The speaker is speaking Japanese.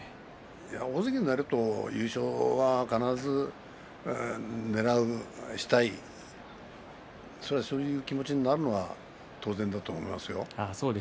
大関になると優勝は必ずねらう、したいそういう気持ちになるのは当然だと思いますよ。